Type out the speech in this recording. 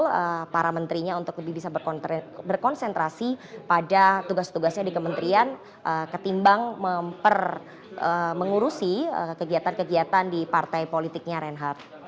untuk para menterinya untuk lebih bisa berkonsentrasi pada tugas tugasnya di kementerian ketimbang mengurusi kegiatan kegiatan di partai politiknya reinhardt